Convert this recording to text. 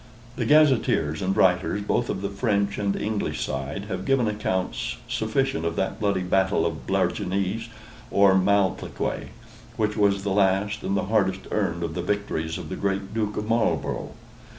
The gazetteers and writers, both of the French and English side, have given accounts sufficient of that bloody battle of Blarignies or Malplaquet, which was the last and the hardest earned of the victories of the great Duke of Marlborough.